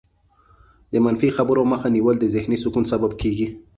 د منفي خبرو مخه نیول د ذهني سکون سبب کېږي.